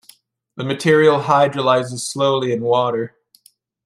The material hydrolyzes slowly in water.